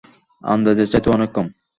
আন্দাজের চাইতেও অনেক কম!